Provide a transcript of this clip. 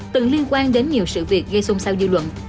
từng liên quan đến nhiều sự việc gây xung sao dư luận